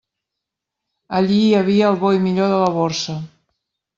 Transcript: Allí hi havia el bo i millor de la Borsa.